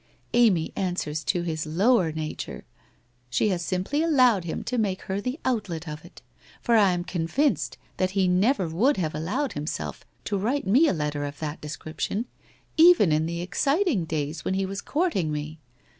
Amy answers to his lower nature. She has simply allowed him to make her the outlet of it. For I am convinced that he never would have allowed himself to write me a letter of that descrip tion even in the exciting days when he was courting me.